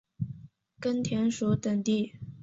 根田鼠等地。